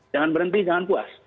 jangan berhenti jangan puas